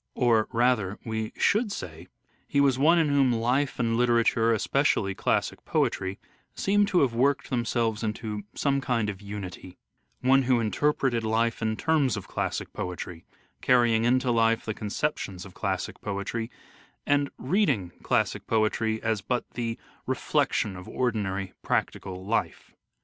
Or, rather, we should say he was one in whom life and literature, especially classic poetry, seem to have worked them selves into some kind of unity : one who interpreted life in terms of classic poetry, carrying into life the con ceptions of classic poetry, and reading classic poetry as but the reflection of ordinary practical life.